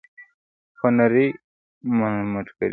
- هنري مونټګومري :